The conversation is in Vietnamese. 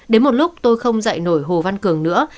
đến một lúc tôi không dạy nổi hồ văn cường nữa